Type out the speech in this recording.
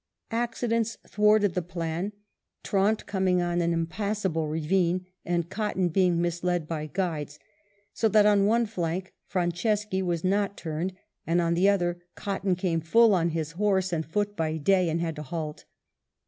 Accidents thwarted the plan, Trant coming on an impassable ravine, and Cotton being misled by guides ; so that on one flank Franceschi was not turned, and on the other Cotton came full on his horse and foot by day, and had to halt.